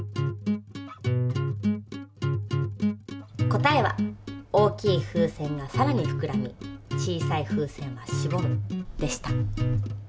答えは大きい風船がさらにふくらみ小さい風船はしぼむでした。